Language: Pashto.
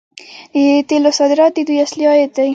د تیلو صادرات د دوی اصلي عاید دی.